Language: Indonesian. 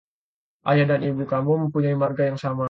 Ayah dan Ibu kamu mempunyai marga yang sama?